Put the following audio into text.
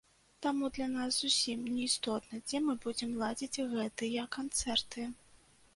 Таму для нас зусім не істотна, дзе мы будзем ладзіць гэтыя канцэрты.